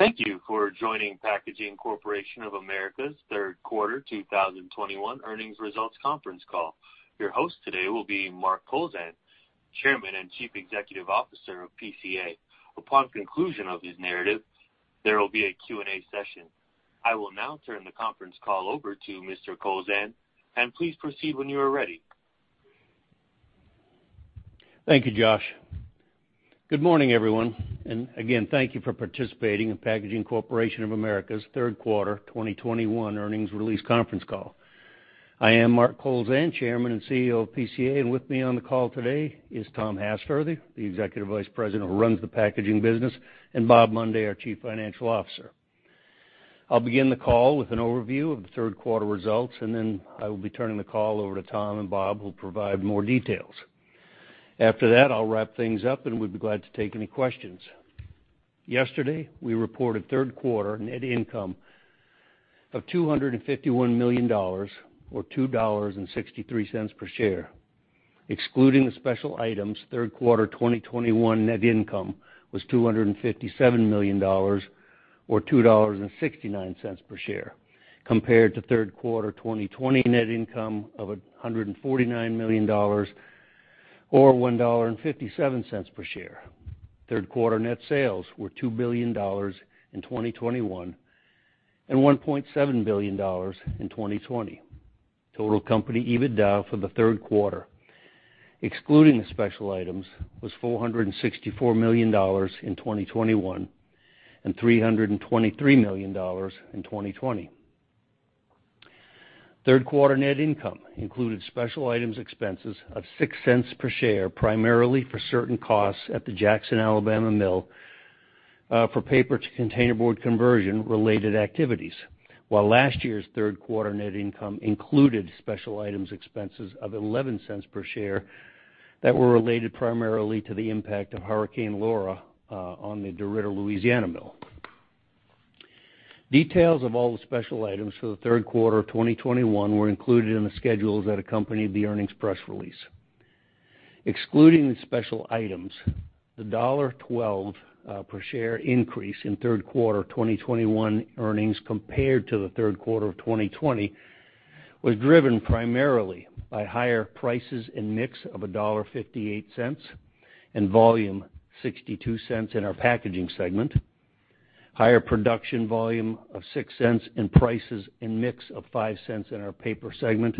Thank you for joining Packaging Corporation of America's third quarter 2021 earnings results conference call. Your host today will be Mark Kowlzan, Chairman and Chief Executive Officer of PCA. Upon conclusion of his narrative, there will be a Q&A session. I will now turn the conference call over to Mr. Kowlzan, and please proceed when you are ready. Thank you, Josh. Good morning, everyone. Again, thank you for participating in Packaging Corporation of America's third quarter 2021 earnings release conference call. I am Mark Kowlzan, Chairman and CEO of PCA. With me on the call today is Tom Hassfurther, the Executive Vice President who runs the packaging business, and Bob Mundy, our Chief Financial Officer. I'll begin the call with an overview of the third quarter results, and then I will be turning the call over to Tom, and Bob will provide more details. After that, I'll wrap things up, and we'd be glad to take any questions. Yesterday, we reported third quarter net income of $251 million or $2.63 per share. Excluding the special items, Q3 2021 net income was $257 million or $2.69 per share, compared to third quarter 2020 net income of $149 million or $1.57 per share. Third quarter net sales were $2 billion in 2021 and $1.7 billion in 2020. Total company EBITDA for the third quarter, excluding the special items, was $464 million in 2021 and $323 million in 2020. Third quarter net income included special items expenses of $0.06 per share, primarily for certain costs at the Jackson, Alabama Mill, for paper to containerboard conversion-related activities, while last year's third quarter net income included special items expenses of $0.11 per share that were related primarily to the impact of Hurricane Laura, on the DeRidder, Louisiana mill. Details of all the special items for the third quarter of 2021 were included in the schedules that accompanied the earnings press release. Excluding the special items, the $1.12 per share increase in third quarter 2021 earnings compared to the third quarter of 2020 was driven primarily by higher prices and mix of $1.58 and volume $0.62 in our Packaging Segment, higher production volume of $0.06, and prices and mix of $0.05 in our Paper Segment,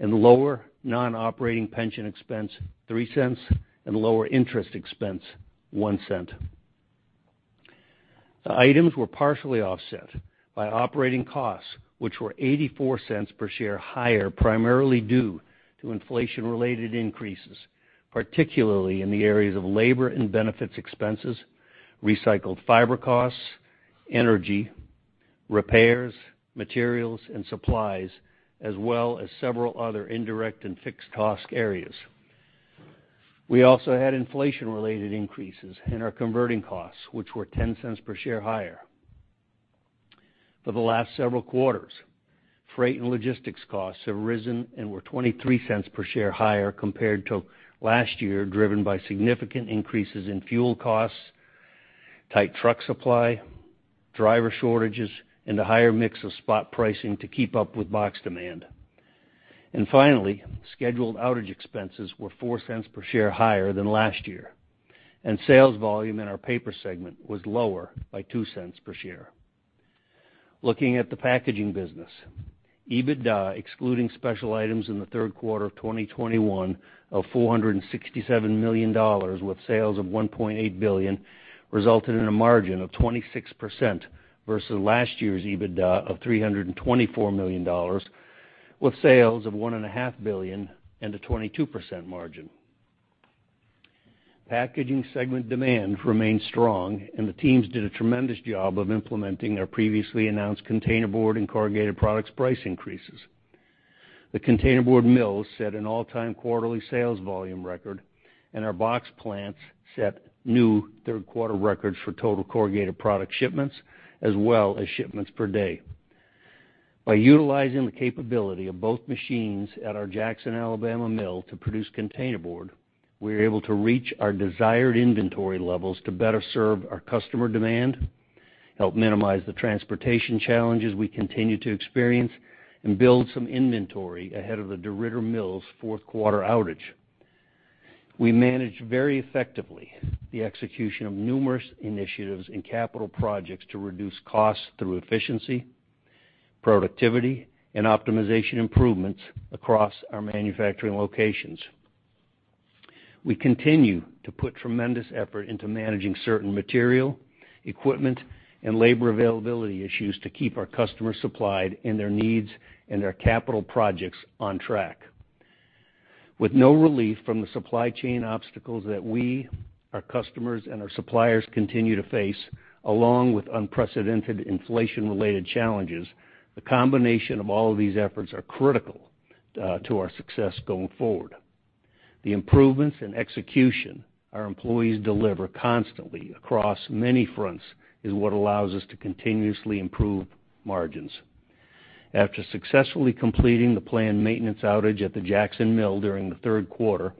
and lower non-operating pension expense $0.03, and lower interest expense $0.01. The items were partially offset by operating costs, which were $0.84 per share higher, primarily due to inflation-related increases, particularly in the areas of labor and benefits expenses, recycled fiber costs, energy, repairs, materials, and supplies, as well as several other indirect and fixed cost areas. We also had inflation-related increases in our converting costs, which were $0.10 per share higher. For the last several quarters, freight and logistics costs have risen and were $0.23 per share higher compared to last year, driven by significant increases in fuel costs, tight truck supply, driver shortages, and a higher mix of spot pricing to keep up with box demand. Finally, scheduled outage expenses were $0.04 per share higher than last year, and sales volume in our paper segment was lower by $0.02 per share. Looking at the packaging business, EBITDA, excluding special items in the third quarter of 2021 of $467 million with sales of $1.8 billion, resulted in a margin of 26% versus last year's EBITDA of $324 million with sales of $1.5 billion and a 22% margin. Packaging segment demand remained strong, and the teams did a tremendous job of implementing our previously announced containerboard and corrugated products price increases. The containerboard mills set an all-time quarterly sales volume record, and our box plants set new third quarter records for total corrugated product shipments as well as shipments per day. By utilizing the capability of both machines at our Jackson, Alabama mill to produce containerboard, we were able to reach our desired inventory levels to better serve our customer demand, help minimize the transportation challenges we continue to experience, and build some inventory ahead of the DeRidder mill's fourth quarter outage. We managed very effectively the execution of numerous initiatives and capital projects to reduce costs through efficiency, productivity, and optimization improvements across our manufacturing locations. We continue to put tremendous effort into managing certain material, equipment, and labor availability issues to keep our customers supplied in their needs and their capital projects on track. With no relief from the supply chain obstacles that we, our customers, and our suppliers continue to face, along with unprecedented inflation-related challenges, the combination of all of these efforts are critical to our success going forward. The improvements in execution our employees deliver constantly across many fronts is what allows us to continuously improve margins. After successfully completing the planned maintenance outage at the Jackson Mill during the third quarter,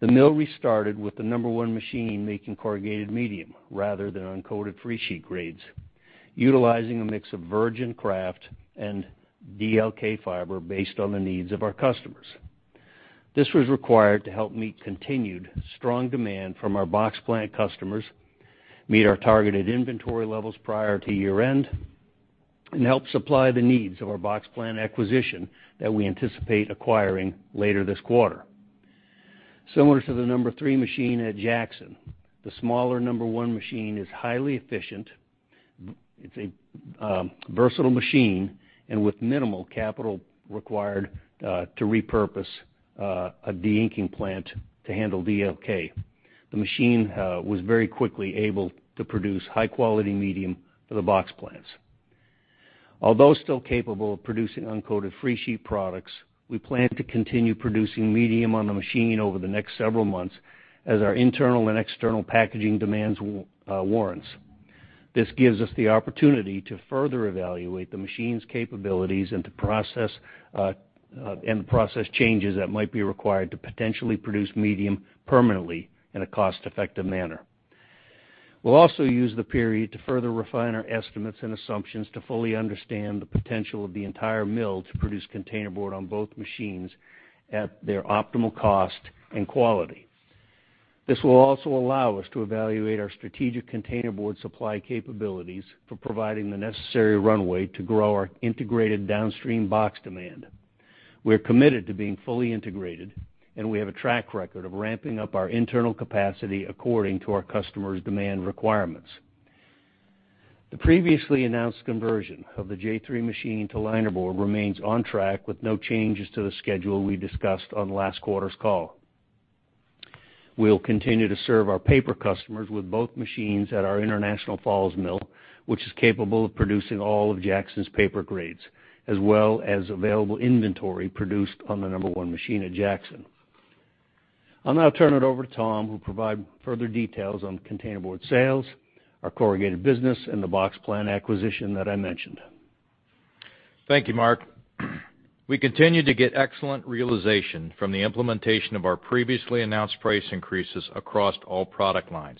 the mill restarted with the No. 1 machine making corrugated medium rather than uncoated free sheet grades, utilizing a mix of virgin kraft and DLK fiber based on the needs of our customers. This was required to help meet continued strong demand from our box plant customers, meet our targeted inventory levels prior to year-end, and help supply the needs of our box plant acquisition that we anticipate acquiring later this quarter. Similar to the No. 3 machine at Jackson, the smaller No. 1 machine is highly efficient. It's a versatile machine, and with minimal capital required to repurpose a deinking plant to handle DLK. The machine was very quickly able to produce high-quality medium for the box plants. Although still capable of producing uncoated free sheet products, we plan to continue producing medium on the machine over the next several months as our internal and external packaging demands warrants. This gives us the opportunity to further evaluate the machine's capabilities and to process changes that might be required to potentially produce medium permanently in a cost-effective manner. We'll also use the period to further refine our estimates and assumptions to fully understand the potential of the entire mill to produce containerboard on both machines at their optimal cost and quality. This will also allow us to evaluate our strategic containerboard supply capabilities for providing the necessary runway to grow our integrated downstream box demand. We're committed to being fully integrated, and we have a track record of ramping up our internal capacity according to our customers' demand requirements. The previously announced conversion of the J3 machine to linerboard remains on track with no changes to the schedule we discussed on last quarter's call. We'll continue to serve our paper customers with both machines at our International Falls mill, which is capable of producing all of Jackson's paper grades, as well as available inventory produced on the No. 1 machine at Jackson. I'll now turn it over to Tom, who'll provide further details on containerboard sales, our corrugated business, and the box plant acquisition that I mentioned. Thank you, Mark. We continue to get excellent realization from the implementation of our previously announced price increases across all product lines.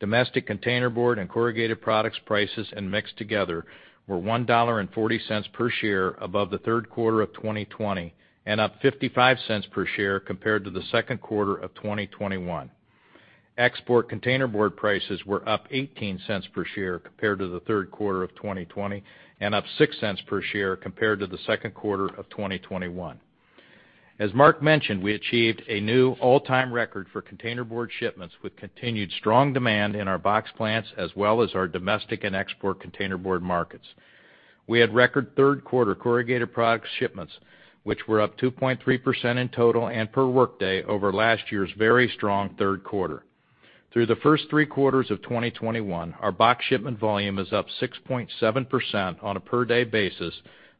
Domestic containerboard and corrugated products prices blended were $1.40 per MSF above the third quarter of 2020, and up $0.55 per MSF compared to the second quarter of 2021. Export containerboard prices were up $0.18 per MSF compared to the third quarter of 2020, and up $0.06 per MSF compared to the second quarter of 2021. As Mark mentioned, we achieved a new all-time record for containerboard shipments with continued strong demand in our box plants, as well as our domestic and export containerboard markets. We had record third quarter corrugated products shipments, which were up 2.3% in total and per workday over last year's very strong third quarter. Through the first three quarters of 2021, our box shipment volume is up 6.7% on a per-day basis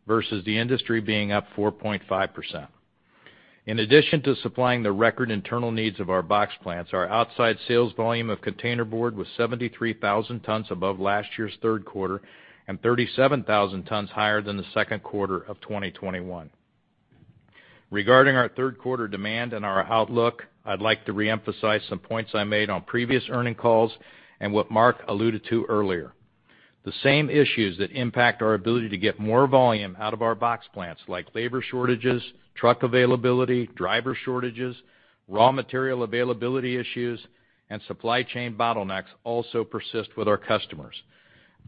versus the industry being up 4.5%. In addition to supplying the record internal needs of our box plants, our outside sales volume of containerboard was 73,000 tons above last year's third quarter and 37,000 tons higher than the second quarter of 2021. Regarding our third quarter demand and our outlook, I'd like to reemphasize some points I made on previous earnings calls and what Mark alluded to earlier. The same issues that impact our ability to get more volume out of our box plants, like labor shortages, truck availability, driver shortages, raw material availability issues, and supply chain bottlenecks also persist with our customers.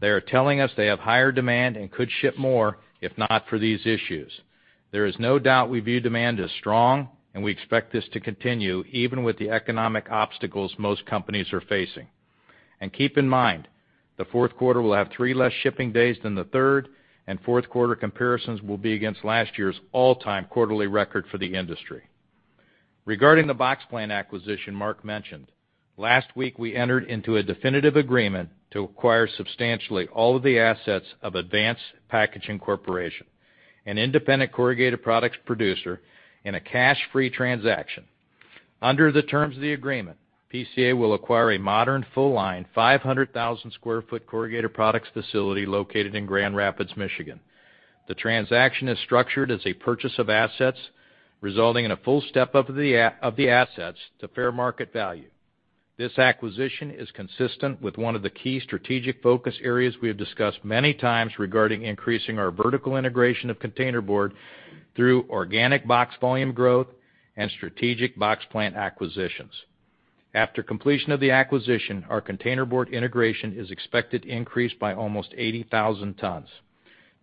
They are telling us they have higher demand and could ship more if not for these issues. There is no doubt we view demand as strong, and we expect this to continue even with the economic obstacles most companies are facing. Keep in mind, the fourth quarter will have three less shipping days than the third, and fourth quarter comparisons will be against last year's all-time quarterly record for the industry. Regarding the box plant acquisition Mark mentioned, last week, we entered into a definitive agreement to acquire substantially all of the assets of Advanced Packaging Corporation, an independent corrugated products producer, in a cash-free transaction. Under the terms of the agreement, PCA will acquire a modern full-line, 500,000 sq ft corrugated products facility located in Grand Rapids, Michigan. The transaction is structured as a purchase of assets, resulting in a full step up of the assets to fair market value. This acquisition is consistent with one of the key strategic focus areas we have discussed many times regarding increasing our vertical integration of containerboard through organic box volume growth and strategic box plant acquisitions. After completion of the acquisition, our containerboard integration is expected to increase by almost 80,000 tons.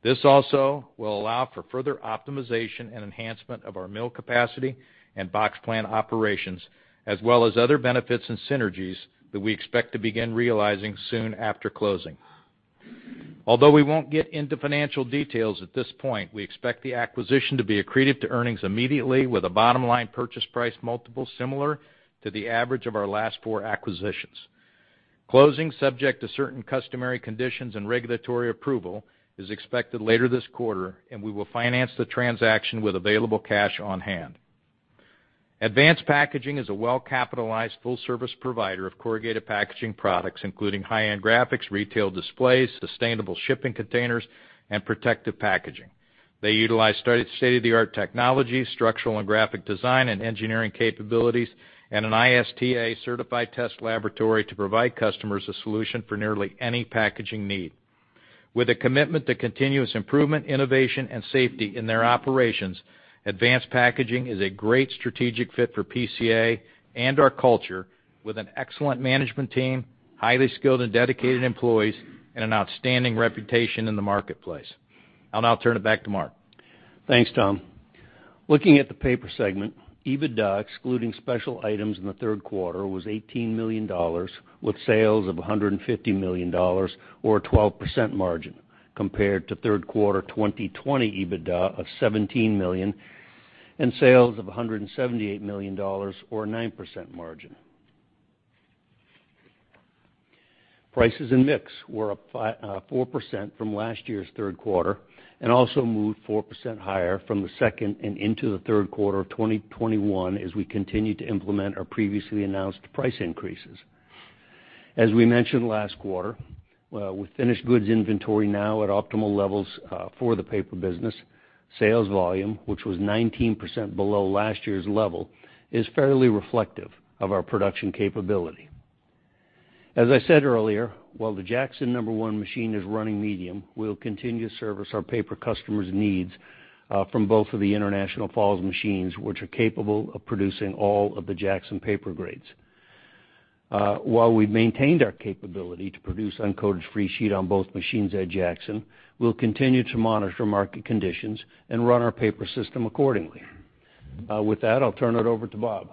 This also will allow for further optimization and enhancement of our mill capacity and box plant operations, as well as other benefits and synergies that we expect to begin realizing soon after closing. Although we won't get into financial details at this point, we expect the acquisition to be accretive to earnings immediately with a bottom-line purchase price multiple similar to the average of our last four acquisitions. Closing, subject to certain customary conditions and regulatory approval, is expected later this quarter, and we will finance the transaction with available cash on hand. Advanced Packaging is a well-capitalized full service provider of corrugated packaging products, including high-end graphics, retail displays, sustainable shipping containers, and protective packaging. They utilize state-of-the-art technology, structural and graphic design, and engineering capabilities, and an ISTA-certified test laboratory to provide customers a solution for nearly any packaging need. With a commitment to continuous improvement, innovation, and safety in their operations, Advanced Packaging is a great strategic fit for PCA and our culture, with an excellent management team, highly skilled and dedicated employees, and an outstanding reputation in the marketplace. I'll now turn it back to Mark. Thanks, Tom. Looking at the Paper segment, EBITDA, excluding special items in the third quarter, was $18 million with sales of $150 million or a 12% margin, compared to third quarter 2020 EBITDA of $17 million and sales of $178 million or a 9% margin. Prices and mix were up 4% from last year's third quarter and also moved 4% higher from the second and into the third quarter of 2021 as we continued to implement our previously announced price increases. As we mentioned last quarter, with finished goods inventory now at optimal levels for the paper business, sales volume, which was 19% below last year's level, is fairly reflective of our production capability. As I said earlier, while the Jackson No. 1 machine is running medium, we'll continue to service our paper customers' needs from both of the International Falls machines, which are capable of producing all of the Jackson paper grades. While we've maintained our capability to produce uncoated free sheet on both machines at Jackson, we'll continue to monitor market conditions and run our paper system accordingly. With that, I'll turn it over to Bob.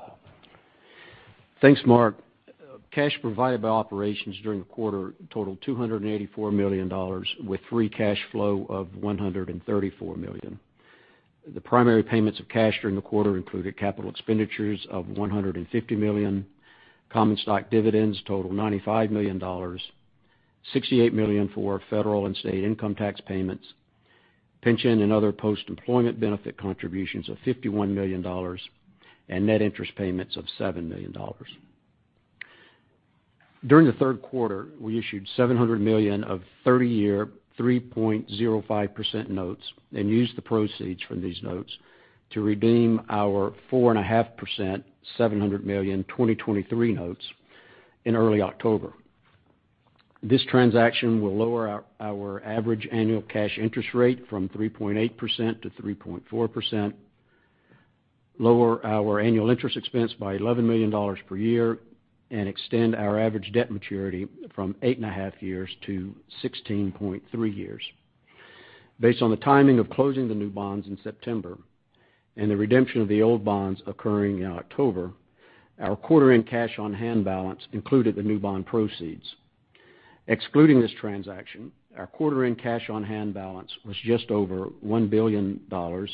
Thanks, Mark. Cash provided by operations during the quarter totaled $284 million with free cash flow of $134 million. The primary payments of cash during the quarter included capital expenditures of $150 million, common stock dividends total $95 million, $68 million for federal and state income tax payments, pension and other post-employment benefit contributions of $51 million, and net interest payments of $7 million. During the third quarter, we issued $700 million of 30-year, 3.05% notes and used the proceeds from these notes to redeem our 4.5%, $700 million, 2023 notes in early October. This transaction will lower our average annual cash interest rate from 3.8%-3.4%, lower our annual interest expense by $11 million per year, and extend our average debt maturity from eight and a half years to 16.3 years. Based on the timing of closing the new bonds in September and the redemption of the old bonds occurring in October, our quarter-end cash on hand balance included the new bond proceeds. Excluding this transaction, our quarter-end cash on hand balance was just over $1 billion, or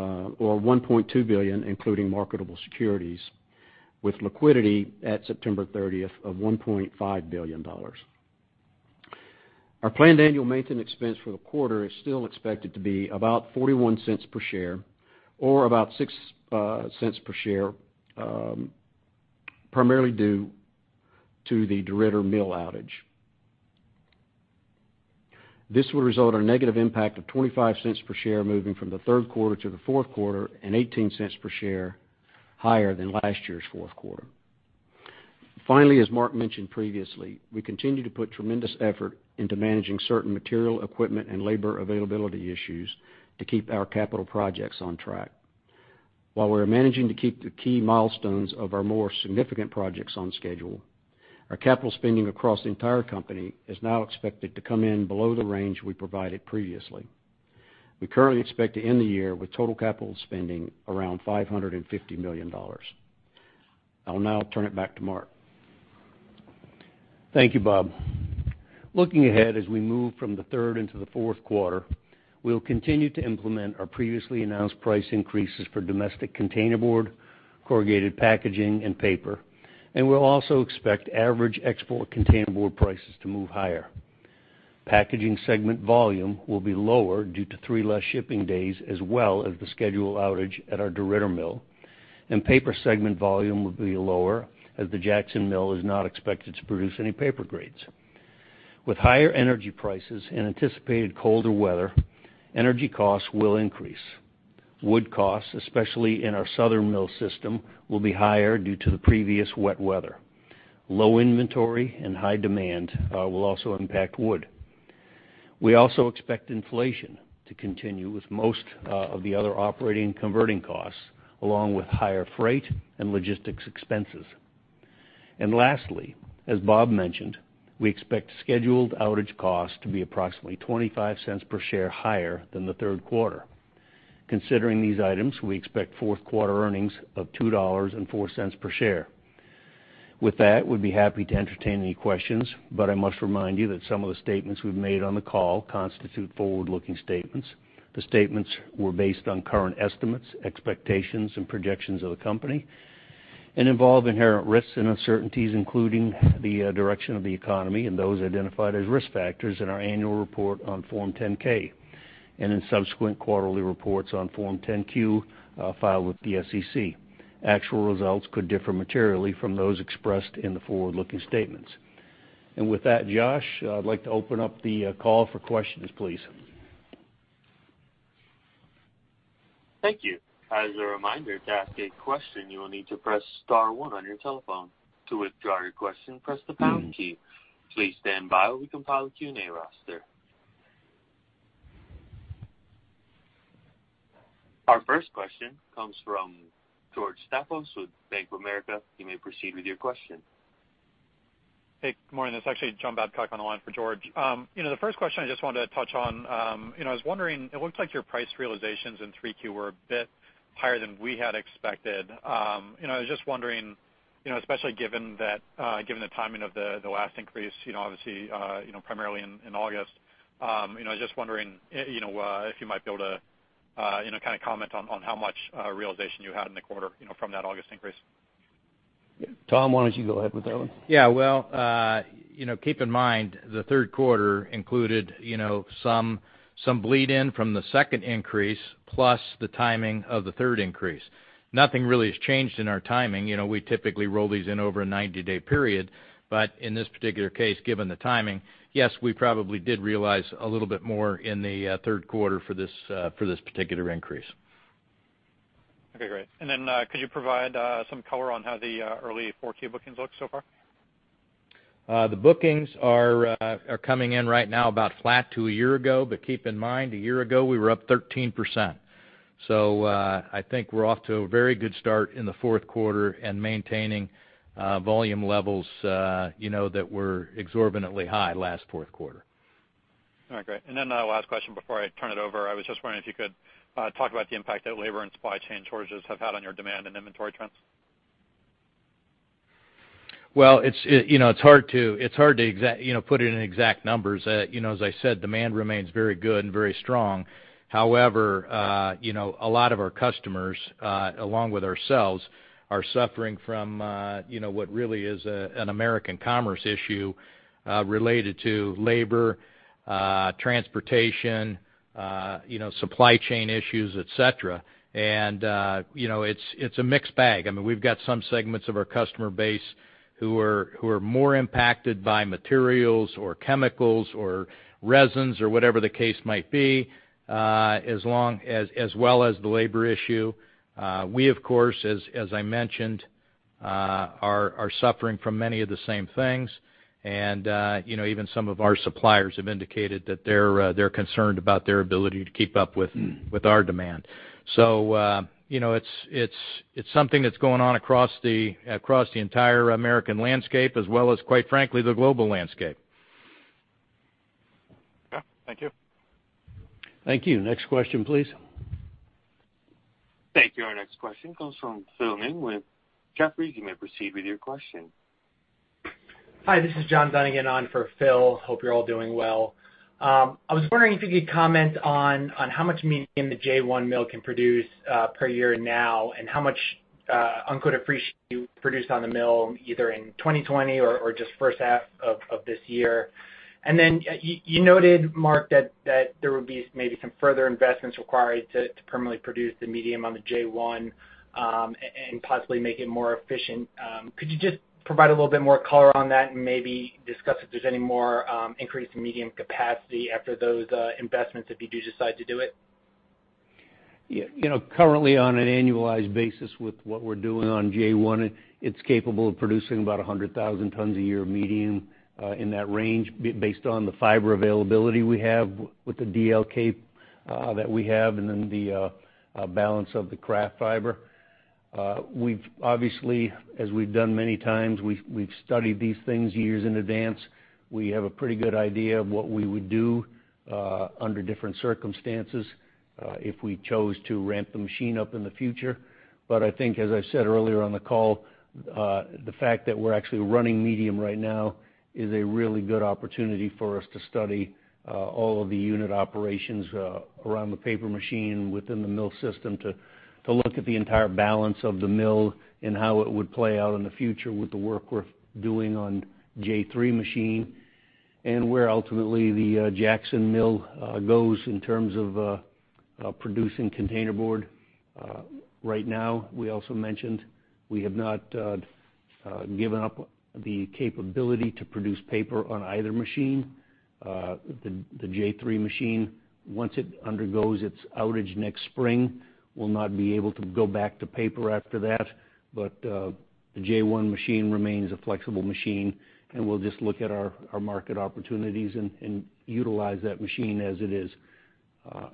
$1.2 billion, including marketable securities, with liquidity at September 30th of $1.5 billion. Our planned annual maintenance expense for the quarter is still expected to be about $0.41 per share or about $0.06 per share, primarily due to the DeRidder mill outage. This will result in a negative impact of $0.25 per share moving from the third quarter to the fourth quarter and $0.18 per share higher than last year's fourth quarter. Finally, as Mark mentioned previously, we continue to put tremendous effort into managing certain material, equipment, and labor availability issues to keep our capital projects on track. While we're managing to keep the key milestones of our more significant projects on schedule, our capital spending across the entire company is now expected to come in below the range we provided previously. We currently expect to end the year with total capital spending around $550 million. I'll now turn it back to Mark. Thank you, Bob. Looking ahead as we move from the third into the fourth quarter, we'll continue to implement our previously announced price increases for domestic containerboard, corrugated packaging, and paper, and we'll also expect average export containerboard prices to move higher. Packaging segment volume will be lower due to three less shipping days as well as the scheduled outage at our DeRidder mill, and paper segment volume will be lower as the Jackson mill is not expected to produce any paper grades. With higher energy prices and anticipated colder weather, energy costs will increase. Wood costs, especially in our southern mill system, will be higher due to the previous wet weather. Low inventory and high demand will also impact wood. We also expect inflation to continue with most of the other operating converting costs, along with higher freight and logistics expenses. Lastly, as Bob mentioned, we expect scheduled outage costs to be approximately $0.25 per share higher than the third quarter. Considering these items, we expect fourth quarter earnings of $2.04 per share. With that, we'd be happy to entertain any questions, but I must remind you that some of the statements we've made on the call constitute forward-looking statements. The statements were based on current estimates, expectations, and projections of the company and involve inherent risks and uncertainties, including the direction of the economy and those identified as risk factors in our annual report on Form 10-K and in subsequent quarterly reports on Form 10-Q filed with the SEC. Actual results could differ materially from those expressed in the forward-looking statements. With that, Josh, I would like to open up the call for questions, please. Thank you. As a reminder, to ask a question, you will need to press star one on your telephone. To withdraw your question, press the pound key. Please stand by while we compile a Q&A roster. Our first question comes from George Staphos with Bank of America. You may proceed with your question. Hey, good morning. It's actually John Babcock on the line for George. You know, the first question I just wanted to touch on, you know, I was wondering, it looks like your price realizations in Q3 were a bit higher than we had expected. You know, I was just wondering, you know, especially given that, given the timing of the last increase, you know, obviously, you know, primarily in August, you know, I was just wondering, you know, if you might be able to, you know, kind of comment on how much realization you had in the quarter, you know, from that August increase. Tom, why don't you go ahead with that one? Yeah. Well, you know, keep in mind, the third quarter included, you know, some bleed in from the second increase, plus the timing of the third increase. Nothing really has changed in our timing. You know, we typically roll these in over a 90-day period. In this particular case, given the timing, yes, we probably did realize a little bit more in the third quarter for this particular increase. Okay, great. Could you provide some color on how the early 4Q bookings look so far? The bookings are coming in right now about flat to a year ago, but keep in mind, a year ago, we were up 13%. I think we're off to a very good start in the fourth quarter and maintaining volume levels, you know, that were exorbitantly high last fourth quarter. All right, great. Last question before I turn it over. I was just wondering if you could talk about the impact that labor and supply chain shortages have had on your demand and inventory trends. Well, you know, it's hard to put it in exact numbers. You know, as I said, demand remains very good and very strong. However, you know, a lot of our customers along with ourselves are suffering from, you know, what really is an American commerce issue related to labor, transportation, you know, supply chain issues, et cetera. It's a mixed bag. I mean, we've got some segments of our customer base who are more impacted by materials or chemicals or resins or whatever the case might be, as well as the labor issue. We, of course, as I mentioned, are suffering from many of the same things. You know, even some of our suppliers have indicated that they're concerned about their ability to keep up with our demand. You know, it's something that's going on across the entire American landscape, as well as, quite frankly, the global landscape. Okay. Thank you. Thank you. Next question, please. Thank you. Our next question comes from Phil Ng with Jefferies. You may proceed with your question. Hi, this is John Dunigan on for Phil. Hope you're all doing well. I was wondering if you could comment on how much medium the J1 mill can produce per year now, and how much uncoated free sheet you produced on the mill either in 2020 or just first half of this year. You noted, Mark, that there would be maybe some further investments required to permanently produce the medium on the J1, and possibly make it more efficient. Could you just provide a little bit more color on that and maybe discuss if there's any more increase in medium capacity after those investments if you do decide to do it? Yeah. You know, currently on an annualized basis with what we're doing on J1, it's capable of producing about 100,000 tons a year of medium, in that range based on the fiber availability we have with the DLK that we have, and then the balance of the kraft fiber. We've obviously, as we've done many times, studied these things years in advance. We have a pretty good idea of what we would do under different circumstances if we chose to ramp the machine up in the future. I think as I said earlier on the call, the fact that we're actually running medium right now is a really good opportunity for us to study all of the unit operations around the paper machine within the mill system to look at the entire balance of the mill and how it would play out in the future with the work we're doing on J3 machine, and where ultimately the Jackson Mill goes in terms of producing containerboard. Right now, we also mentioned we have not given up the capability to produce paper on either machine. The J3 machine, once it undergoes its outage next spring, will not be able to go back to paper after that. The J1 machine remains a flexible machine, and we'll just look at our market opportunities and utilize that machine as it is.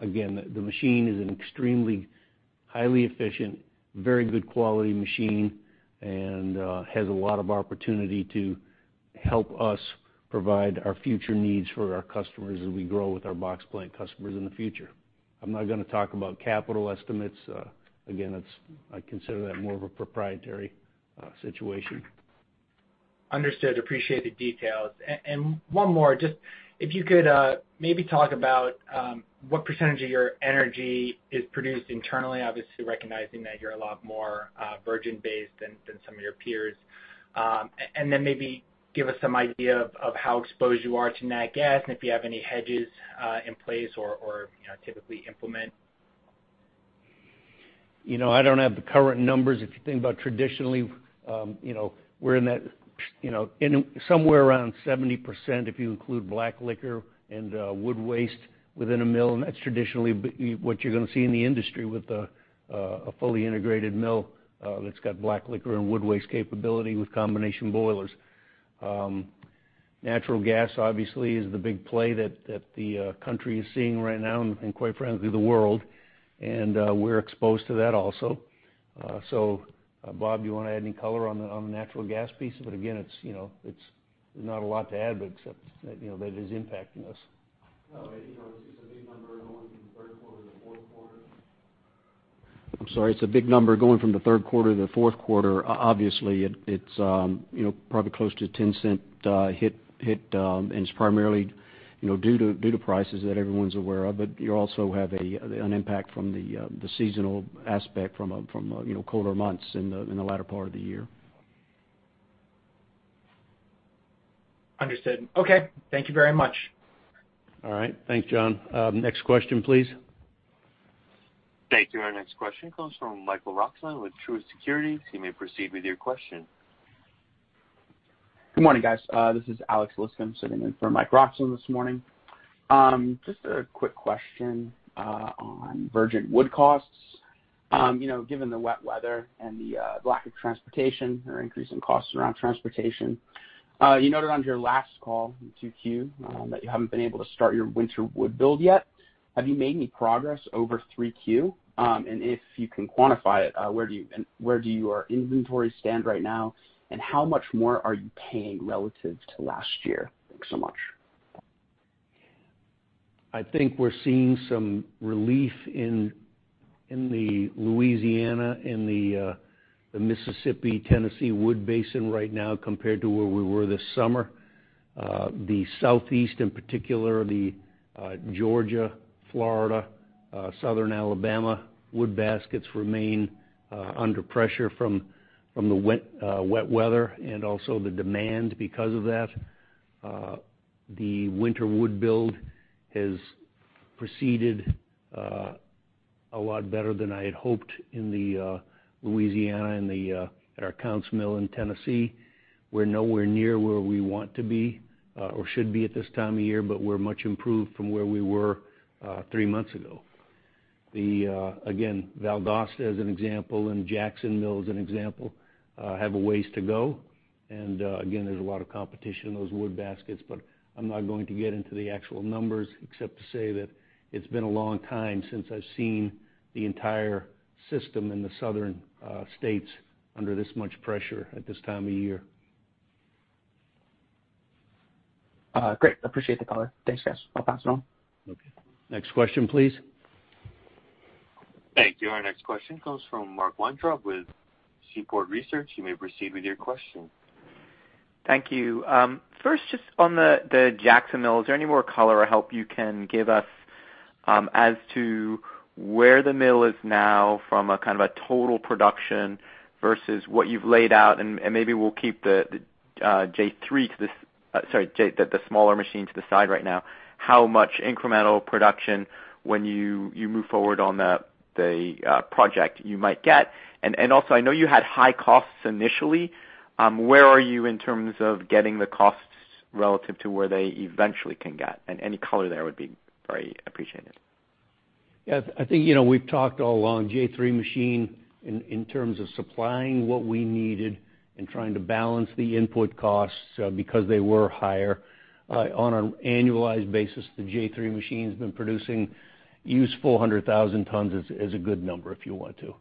Again, the machine is an extremely highly efficient, very good quality machine, and has a lot of opportunity to help us provide our future needs for our customers as we grow with our box blank customers in the future. I'm not gonna talk about capital estimates. Again, it's I consider that more of a proprietary situation. Understood. Appreciate the details. One more, just if you could maybe talk about what percentage of your energy is produced internally, obviously recognizing that you're a lot more virgin-based than some of your peers. Maybe give us some idea of how exposed you are to nat gas and if you have any hedges in place or you know typically implement. You know, I don't have the current numbers. If you think about traditionally, you know, we're in that, you know, in somewhere around 70% if you include black liquor and wood waste within a mill, and that's traditionally what you're gonna see in the industry with a fully integrated mill, that's got black liquor and wood waste capability with combination boilers. Natural gas obviously is the big play that the country is seeing right now and quite frankly, the world. We're exposed to that also. Bob, do you wanna add any color on the natural gas piece? Again, it's, you know, it's not a lot to add except, you know, that it is impacting us. No, you know, it's just a big number going from the third quarter to fourth quarter. I'm sorry, it's a big number going from the third quarter to the fourth quarter. Obviously it's, you know, probably close to $0.10 hit. It's primarily, you know, due to prices that everyone's aware of. You also have an impact from the seasonal aspect from the, you know, colder months in the latter part of the year. Understood. Okay. Thank you very much. All right. Thanks, John. Next question, please. Thank you. Our next question comes from Michael Roxland with Truist Securities. You may proceed with your question. Good morning, guys. This is [Alex Langston] sitting in for Mike Roxland this morning. Just a quick question on virgin wood costs. You know, given the wet weather and the lack of transportation or increase in costs around transportation, you noted on your last call in 2Q that you haven't been able to start your winter wood build yet. Have you made any progress over 3Q? And if you can quantify it, where do your inventory stand right now, and how much more are you paying relative to last year? Thanks so much. I think we're seeing some relief in the Louisiana and the Mississippi, Tennessee wood basin right now compared to where we were this summer. The southeast in particular, Georgia, Florida, southern Alabama wood baskets remain under pressure from the wet weather and also the demand because of that. The winter wood build has proceeded a lot better than I had hoped in the Louisiana and at our Counce mill in Tennessee. We're nowhere near where we want to be or should be at this time of year, but we're much improved from where we were three months ago. Again, Valdosta as an example and Jackson Mill as an example have a ways to go. Again, there's a lot of competition in those wood baskets, but I'm not going to get into the actual numbers except to say that it's been a long time since I've seen the entire system in the southern states under this much pressure at this time of year. Great. Appreciate the color. Thanks, guys. I'll pass it on. Okay. Next question, please. Thank you. Our next question comes from Mark Weintraub with Seaport Research. You may proceed with your question. Thank you. First, just on the Jackson Mill, is there any more color or help you can give us as to where the mill is now from a kind of a total production versus what you've laid out? Maybe we'll keep the J3, the smaller machine, to the side right now. How much incremental production when you move forward on the project you might get? Also, I know you had high costs initially. Where are you in terms of getting the costs relative to where they eventually can get? Any color there would be very appreciated. Yeah. I think, you know, we've talked all along about the J3 machine in terms of supplying what we needed and trying to balance the input costs because they were higher. On an annualized basis, the J3 machine's been producing 400,000 tons, which is a good number if you want to.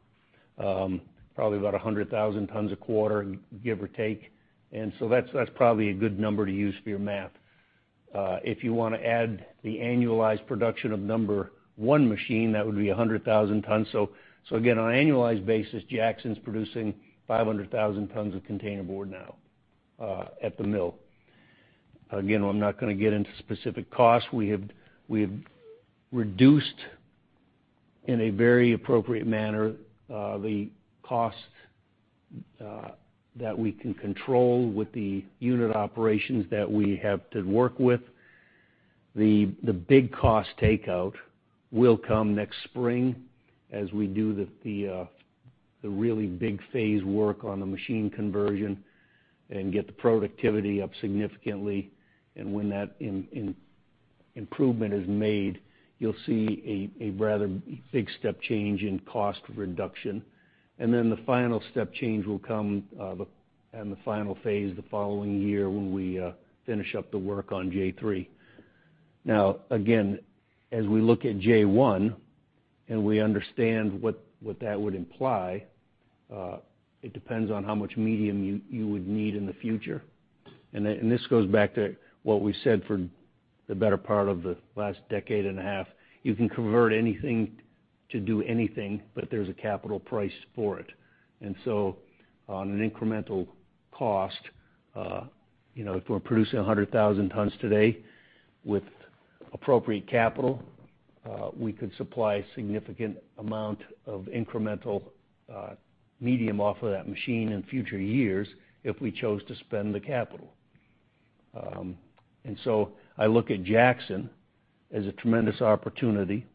Probably about 100,000 tons a quarter, give or take. That's probably a good number to use for your math. If you wanna add the annualized production of No. 1 machine, that would be 100,000 tons. Again, on an annualized basis, Jackson's producing 500,000 tons of containerboard now, at the mill. Again, I'm not gonna get into specific costs. We have reduced in a very appropriate manner the cost that we can control with the unit operations that we have to work with. The big cost takeout will come next spring as we do the really big phase work on the machine conversion and get the productivity up significantly. When that improvement is made, you'll see a rather big step change in cost reduction. Then the final step change will come, and the final phase the following year when we finish up the work on J3. Now, again, as we look at J1 and we understand what that would imply, it depends on how much medium you would need in the future. This goes back to what we said for the better part of the last decade and a half. You can convert anything to do anything, but there's a capital price for it. On an incremental cost, you know, if we're producing 100,000 tons today with appropriate capital, we could supply significant amount of incremental medium off of that machine in future years if we chose to spend the capital. I look at Jackson as a tremendous opportunity.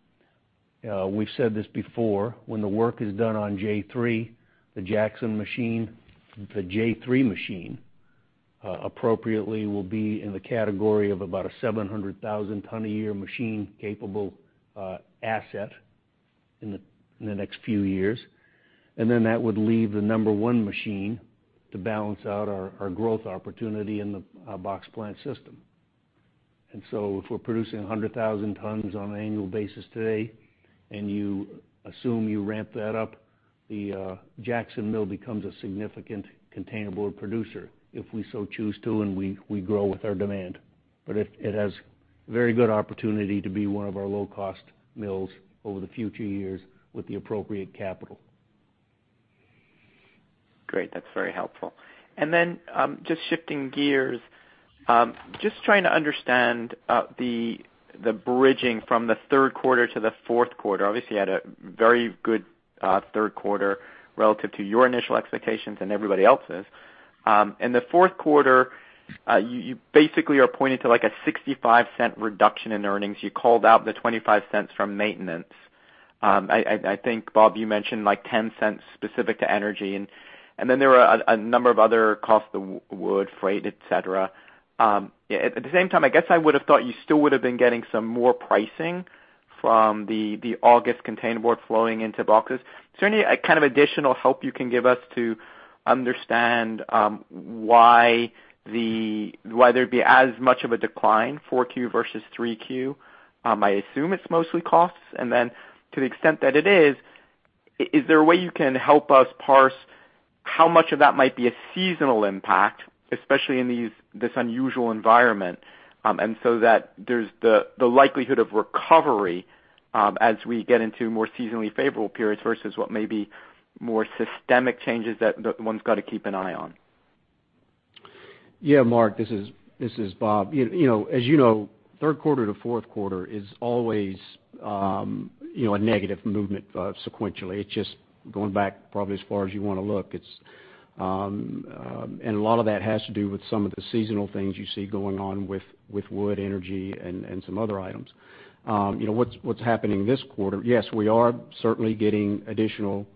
We've said this before. When the work is done on J3, the Jackson machine, appropriately will be in the category of about a 700,000-ton-a-year machine-capable asset in the next few years. Then that would leave the No. 1 machine to balance out our growth opportunity in the box plant system. So if we're producing 100,000 tons on an annual basis today, and you assume you ramp that up, the Jackson Mill becomes a significant containerboard producer if we so choose to, and we grow with our demand. It has very good opportunity to be one of our low-cost mills over the future years with the appropriate capital. Great. That's very helpful. Just shifting gears, just trying to understand the bridging from the third quarter to the fourth quarter. Obviously, you had a very good third quarter relative to your initial expectations and everybody else's. In the fourth quarter, you basically are pointing to like a $0.65 reduction in earnings. You called out the $0.25 from maintenance. I think, Bob, you mentioned like $0.10 specific to energy. There were a number of other costs, the wood, freight, et cetera. Yeah, at the same time, I guess I would have thought you still would have been getting some more pricing from the August containerboard flowing into boxes. Is there any kind of additional help you can give us to understand why whether it'd be as much of a decline, 4Q versus 3Q? I assume it's mostly costs. To the extent that it is there a way you can help us parse how much of that might be a seasonal impact, especially in this unusual environment, and so that there's the likelihood of recovery as we get into more seasonally favorable periods versus what may be more systemic changes that one's gotta keep an eye on? Yeah, Mark, this is Bob. You know, as you know, third quarter to fourth quarter is always a negative movement sequentially. It's just going back probably as far as you wanna look. A lot of that has to do with some of the seasonal things you see going on with wood energy and some other items. You know, what's happening this quarter, yes, we are certainly getting additional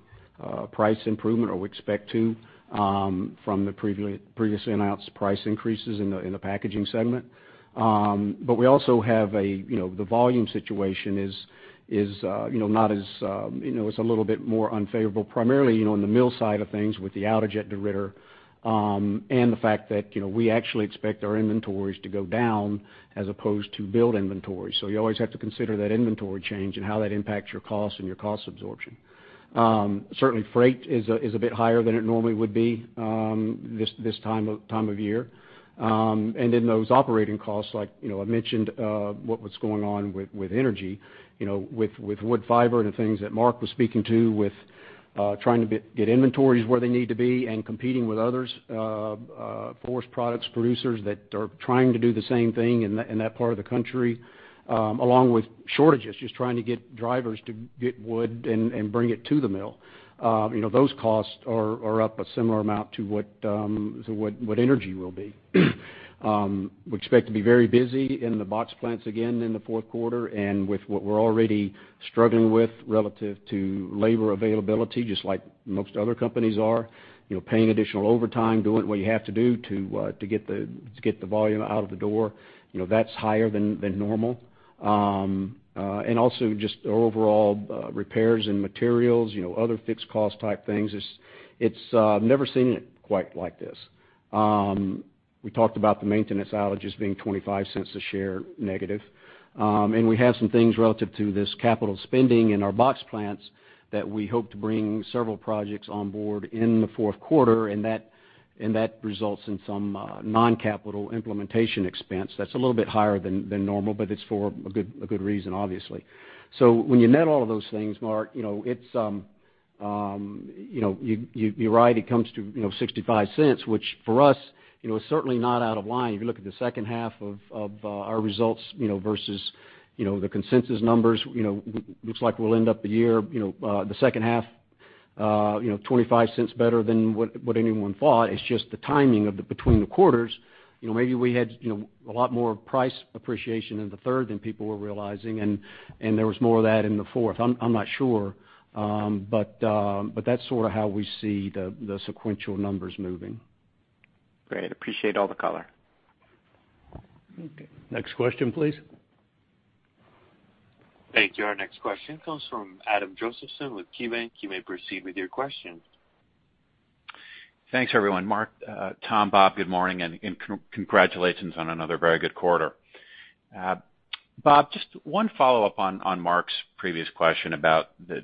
price improvement or we expect to from the previously announced price increases in the Packaging segment. We also have a, you know, the volume situation is, you know, not as, you know, it's a little bit more unfavorable, primarily, you know, on the mill side of things with the outage at DeRidder, and the fact that, you know, we actually expect our inventories to go down as opposed to build inventory. You always have to consider that inventory change and how that impacts your cost and your cost absorption. Certainly, freight is a bit higher than it normally would be, this time of year. In those operating costs, like, you know, I mentioned what was going on with energy, you know, with wood fiber and the things that Mark was speaking to with trying to get inventories where they need to be and competing with others forest products producers that are trying to do the same thing in that part of the country, along with shortages, just trying to get drivers to get wood and bring it to the mill. You know, those costs are up a similar amount to what energy will be. We expect to be very busy in the box plants again in the fourth quarter and with what we're already struggling with relative to labor availability, just like most other companies are, you know, paying additional overtime, doing what you have to do to get the volume out of the door. You know, that's higher than normal. Also just overall, repairs and materials, you know, other fixed cost type things. It's I've never seen it quite like this. We talked about the maintenance outages being $0.25 a share negative. We have some things relative to this capital spending in our box plants that we hope to bring several projects on board in the fourth quarter, and that results in some non-capital implementation expense that's a little bit higher than normal, but it's for a good reason, obviously. When you net all of those things, Mark, you know, it's you know, you're right, it comes to you know, $0.65, which for us, you know, is certainly not out of line. If you look at the second half of our results, you know, versus the consensus numbers, you know, looks like we'll end up for the year, you know, the second half, you know, $0.25 better than what anyone thought. It's just the timing between the quarters. You know, maybe we had, you know, a lot more price appreciation in the third than people were realizing, and there was more of that in the fourth. I'm not sure. That's sorta how we see the sequential numbers moving. Great. Appreciate all the color. Okay. Next question, please. Thank you. Our next question comes from Adam Josephson with KeyBanc. You may proceed with your question. Thanks, everyone. Mark, Tom, Bob, good morning, and congratulations on another very good quarter. Bob, just one follow-up on Mark's previous question about the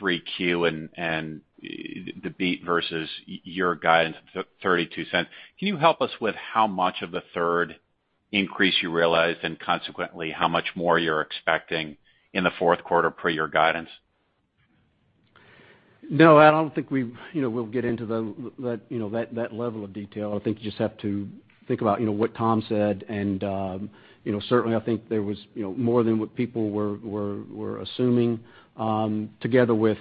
3Q and the beat versus your guidance $0.32. Can you help us with how much of the third increase you realized, and consequently, how much more you're expecting in the fourth quarter per your guidance? No, I don't think we'll get into that level of detail. I think you just have to think about, you know, what Tom said. You know, certainly I think there was, you know, more than what people were assuming, together with,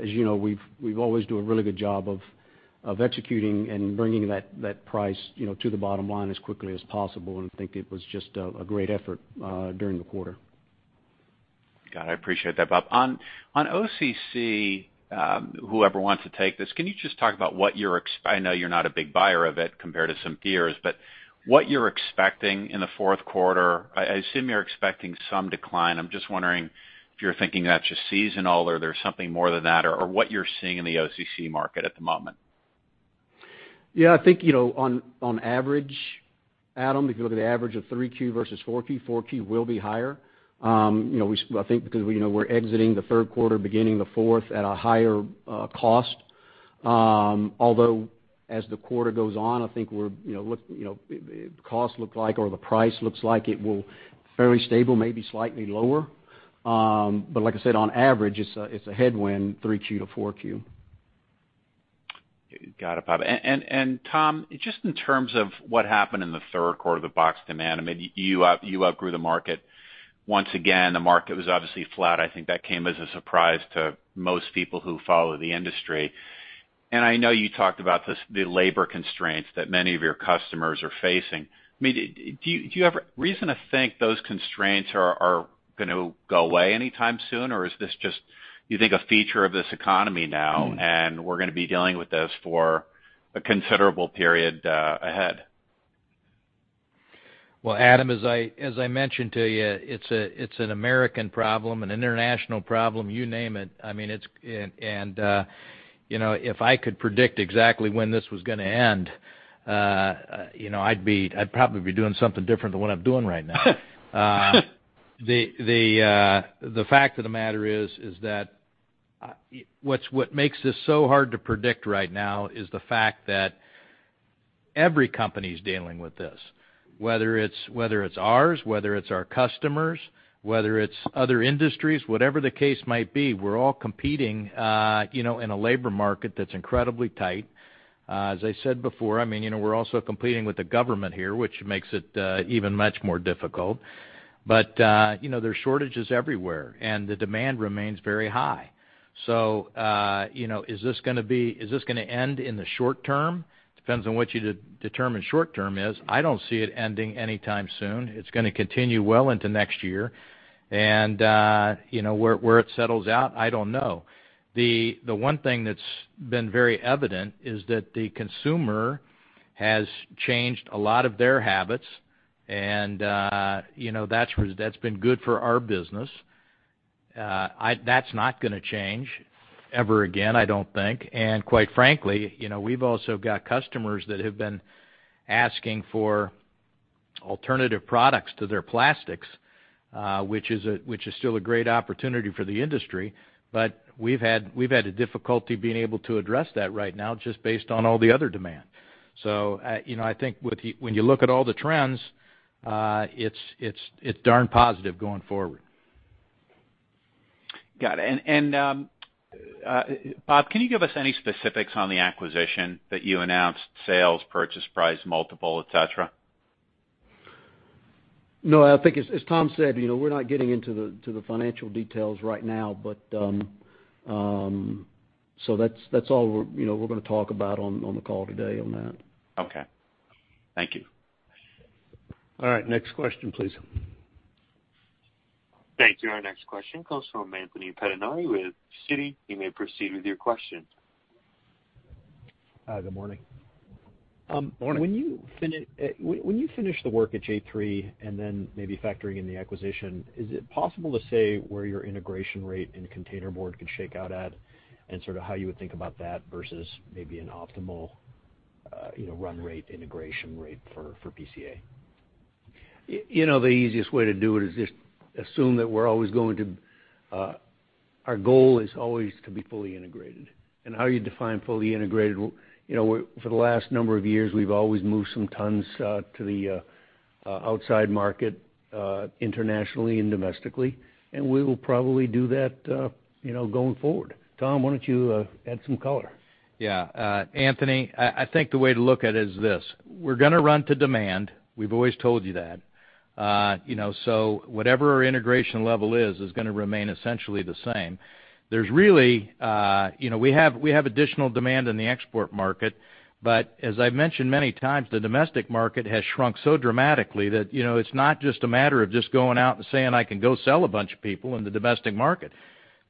as you know, we've always done a really good job of executing and bringing that price, you know, to the bottom line as quickly as possible. I think it was just a great effort during the quarter. Got it. I appreciate that, Bob. On OCC, whoever wants to take this, can you just talk about, I know you're not a big buyer of it compared to some peers, but what you're expecting in the fourth quarter. I assume you're expecting some decline. I'm just wondering if you're thinking that's just seasonal or there's something more than that, or what you're seeing in the OCC market at the moment. Yeah. I think, you know, on average, Adam, if you look at the average of 3Q versus 4Q, 4Q will be higher. You know, I think because, you know, we're exiting the third quarter, beginning the fourth at a higher cost. Although as the quarter goes on, I think we're, you know, costs look like or the price looks like it will fairly stable, maybe slightly lower. Like I said, on average, it's a headwind, 3Q to 4Q. Got it, Bob. Tom, just in terms of what happened in the third quarter, the box demand, I mean, you outgrew the market. Once again, the market was obviously flat. I think that came as a surprise to most people who follow the industry. I know you talked about this, the labor constraints that many of your customers are facing. I mean, do you have reason to think those constraints are gonna go away anytime soon, or is this just you think a feature of this economy now, and we're gonna be dealing with this for a considerable period ahead? Well, Adam, as I mentioned to you, it's an American problem, an international problem, you name it. I mean, if I could predict exactly when this was gonna end, you know, I'd probably be doing something different than what I'm doing right now. The fact of the matter is that what makes this so hard to predict right now is the fact that every company's dealing with this, whether it's ours, whether it's our customers, whether it's other industries, whatever the case might be, we're all competing, you know, in a labor market that's incredibly tight. As I said before, I mean, you know, we're also competing with the government here, which makes it even much more difficult. You know, there are shortages everywhere, and the demand remains very high. You know, is this gonna end in the short term? Depends on what you determine short term is. I don't see it ending anytime soon. It's gonna continue well into next year. You know, where it settles out, I don't know. The one thing that's been very evident is that the consumer has changed a lot of their habits and, you know, that's been good for our business. That's not gonna change ever again, I don't think. Quite frankly, you know, we've also got customers that have been asking for alternative products to their plastics, which is still a great opportunity for the industry. We've had a difficulty being able to address that right now just based on all the other demand. You know, I think when you look at all the trends, it's darn positive going forward. Got it. Bob, can you give us any specifics on the acquisition that you announced, sales, purchase price, multiple, et cetera? No, I think as Tom said, you know, we're not getting to the financial details right now. That's all we're, you know, we're gonna talk about on the call today on that. Okay. Thank you. All right. Next question, please. Thank you. Our next question comes from Anthony Pettinari with Citi. You may proceed with your question. Hi, good morning. Morning. When you finish the work at J3 and then maybe factoring in the acquisition, is it possible to say where your integration rate in containerboard can shake out at? Sort of how you would think about that versus maybe an optimal, you know, run rate, integration rate for PCA. You know, the easiest way to do it is just assume that we're always going to our goal is always to be fully integrated. How you define fully integrated, you know, for the last number of years, we've always moved some tons to the outside market internationally and domestically, and we will probably do that, you know, going forward. Tom, why don't you add some color? Yeah. Anthony, I think the way to look at it is this: We're gonna run to demand. We've always told you that. You know, so whatever our integration level is gonna remain essentially the same. There's really, you know, we have additional demand in the export market, but as I've mentioned many times, the domestic market has shrunk so dramatically that, you know, it's not just a matter of just going out and saying, "I can go sell a bunch of people in the domestic market."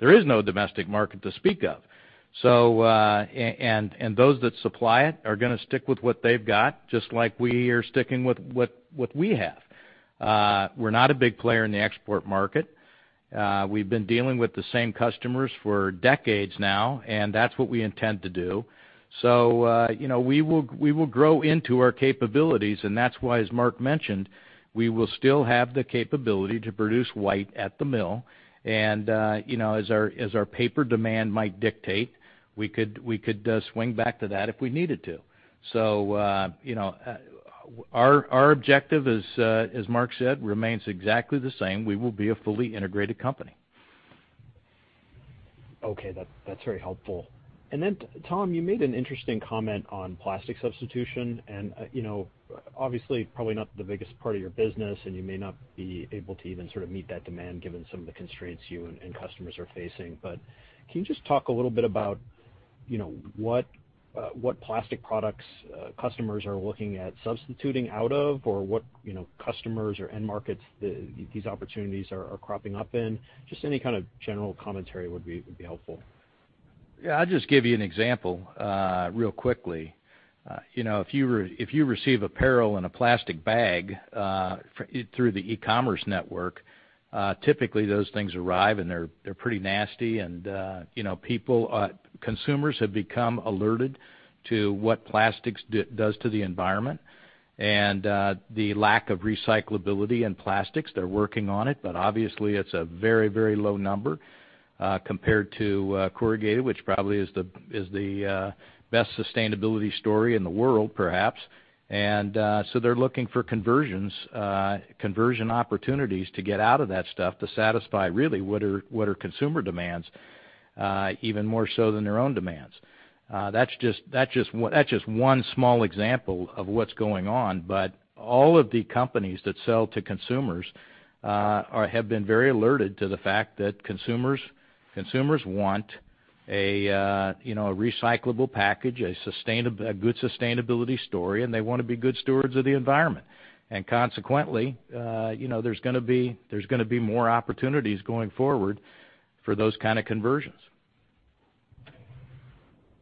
There is no domestic market to speak of. And those that supply it are gonna stick with what they've got, just like we are sticking with what we have. We're not a big player in the export market. We've been dealing with the same customers for decades now, and that's what we intend to do. You know, we will grow into our capabilities, and that's why, as Mark mentioned, we will still have the capability to produce white at the mill. You know, as our paper demand might dictate, we could swing back to that if we needed to. You know, our objective is, as Mark said, remains exactly the same. We will be a fully integrated company. Okay. That's very helpful. Then, Tom, you made an interesting comment on plastic substitution and, you know, obviously, probably not the biggest part of your business, and you may not be able to even sort of meet that demand given some of the constraints you and customers are facing. Can you just talk a little bit about, you know, what plastic products customers are looking at substituting out of, or what, you know, customers or end markets these opportunities are cropping up in? Just any kind of general commentary would be helpful. Yeah. I'll just give you an example, real quickly. You know, if you receive apparel in a plastic bag through the e-commerce network, typically those things arrive, and they're pretty nasty and, you know, people, consumers have become alerted to what plastics does to the environment and the lack of recyclability in plastics. They're working on it, but obviously, it's a very low number compared to corrugated, which probably is the best sustainability story in the world, perhaps. So they're looking for conversions, conversion opportunities to get out of that stuff to satisfy really what are consumer demands, even more so than their own demands. That's just one small example of what's going on. All of the companies that sell to consumers have been very alerted to the fact that consumers want a, you know, a recyclable package, a good sustainability story, and they wanna be good stewards of the environment. Consequently, you know, there's gonna be more opportunities going forward for those kinda conversions.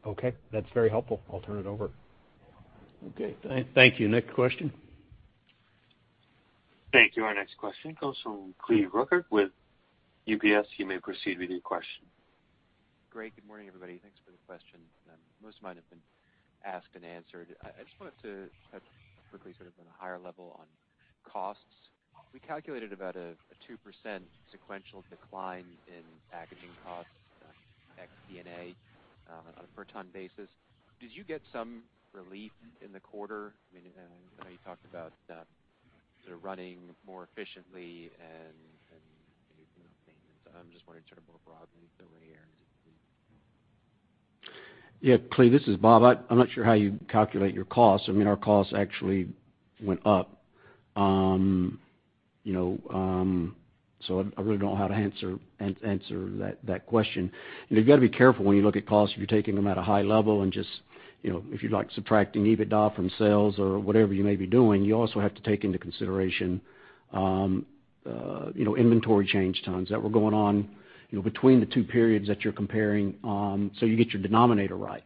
Okay. That's very helpful. I'll turn it over. Okay, thank you. Next question. Thank you. Our next question comes from Cleve Rueckert with UBS. You may proceed with your question. Great. Good morning, everybody. Thanks for the question. Most of mine have been asked and answered. I just wanted to touch quickly sort of on a higher level on costs. We calculated about a 2% sequential decline in packaging costs ex D&A on a per ton basis. Did you get some relief in the quarter? I mean, I know you talked about sort of running more efficiently and you know, maintenance. I'm just wondering sort of more broadly if there were areas. Yeah. Cleve, this is Bob. I'm not sure how you calculate your costs. I mean, our costs actually went up. You know, so I really don't know how to answer that question. You've gotta be careful when you look at costs, if you're taking them at a high level and just, you know, if you're like subtracting EBITDA from sales or whatever you may be doing, you also have to take into consideration, you know, inventory change times that were going on, you know, between the two periods that you're comparing, so you get your denominator right.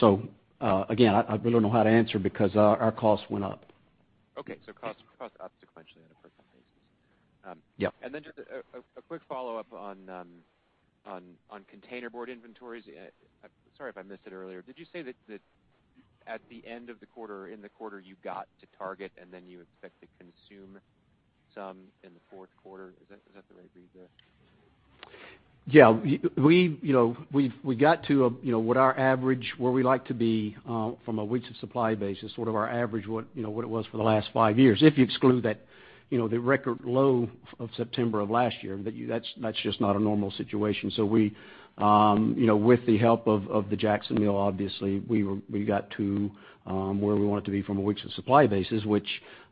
So, again, I really don't know how to answer because our costs went up. Okay. Costs up sequentially on a per ton basis. Yep. Then just a quick follow-up on containerboard inventories. Sorry if I missed it earlier. Did you say that at the end of the quarter, in the quarter, you got to target, and then you expect to consume some in the fourth quarter? Is that the right read there? Yeah. We, you know, we got to what our average is, where we like to be from a weeks of supply basis, sort of our average, what it was for the last five years, if you exclude the record low of September of last year. That's just not a normal situation. We, you know, with the help of the Jackson Mill, obviously, we got to where we wanted to be from a weeks of supply basis,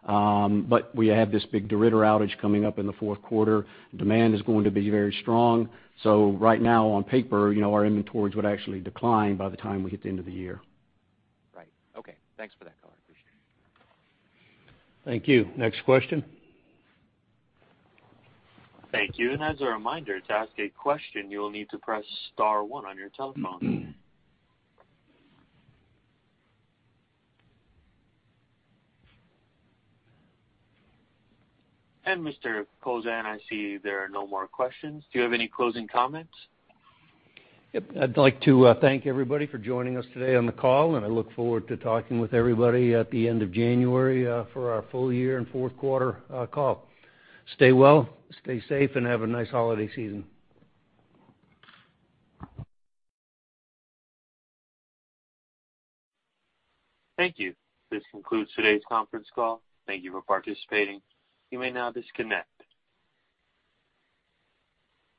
but we have this big DeRidder outage coming up in the fourth quarter. Demand is going to be very strong. Right now on paper, you know, our inventories would actually decline by the time we get to the end of the year. Right. Okay. Thanks for that color. Appreciate it. Thank you. Next question. Thank you. And as a reminder, to ask a question, you will need to press star one on your telephone. Mr. Kowlzan, I see there are no more questions. Do you have any closing comments? Yep. I'd like to thank everybody for joining us today on the call, and I look forward to talking with everybody at the end of January for our full year and fourth quarter call. Stay well, stay safe, and have a nice holiday season. Thank you. This concludes today's conference call. Thank you for participating. You may now disconnect.